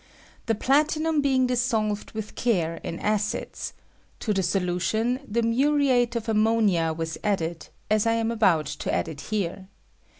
The platinum being dissolved with care in acids, to the solution the muriate of ammonia added, as I am about to add it here.